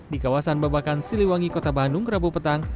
di kawasan babakan siliwangi kota bandung rabu petang